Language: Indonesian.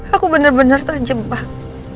aku bener bener terjebak